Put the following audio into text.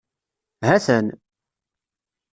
Hatan.